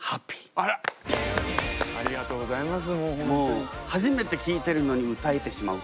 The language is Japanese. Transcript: これはありがとうございます。